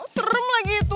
serem lagi itu